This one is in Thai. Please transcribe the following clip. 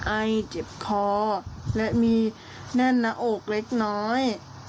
ไอเจ็บคอและมีแน่นหน้าอกเล็กน้อย